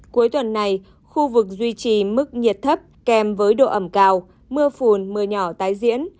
cuối tuần này khu vực duy trì mức nhiệt thấp kèm với độ ẩm cao mưa phùn mưa nhỏ tái diễn